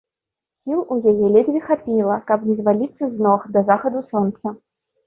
Сіл у яе ледзьве хапіла, каб не зваліцца з ног да захаду сонца.